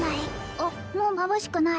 あっもうまぶしくない